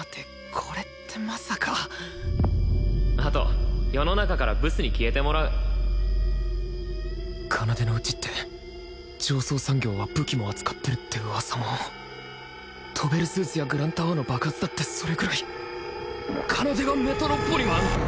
これってまさかあと世の中からブスに消えてもらう奏のうちって上層産業は武器も扱ってるって噂も飛べるスーツやグランタワーの爆発だってそれくらい奏がメトロポリマン？